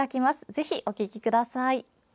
ぜひお聴きください。